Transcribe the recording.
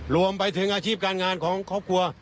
รวมไปถึงอาชีพการงานของครอบครัว